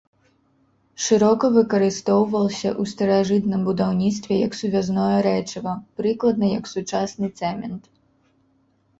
Шырока выкарыстоўваўся ў старажытным будаўніцтве як сувязное рэчыва, прыкладна як сучасны цэмент.